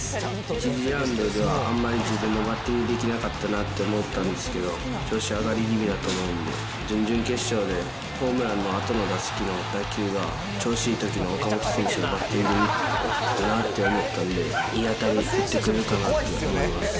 １次ラウンドでは、あんまり自分のバッティングできなかったなと思ったんですけど、調子上がり気味だと思うんで、準々決勝でホームランのあとの打席での打球が、調子いいときの岡本選手のバッティングだと思ったんで、いい当たり打ってくれるかなって思います。